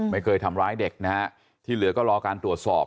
ไม่เคยทำร้ายเด็กนะฮะที่เหลือก็รอการตรวจสอบ